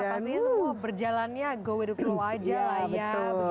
pastinya semua berjalannya go we the flow aja lah ya